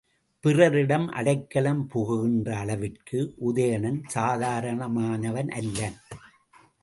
பிறரிடம் அடைக்கலம் புகுகின்ற அளவிற்கு உதயணன் சாதாரணமானவன் அல்லன்.